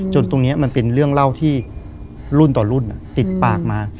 ตรงนี้มันเป็นเรื่องเล่าที่รุ่นต่อรุ่นติดปากมา